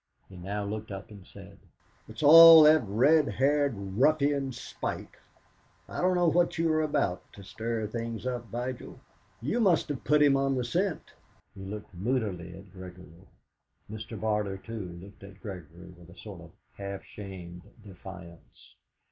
He now looked up and said: "It's all that red haired ruffian's spite. I don't know what you were about to stir things up, Vigil. You must have put him on the scent." He looked moodily at Gregory. Mr. Barter, too, looked at Gregory with a sort of half ashamed defiance.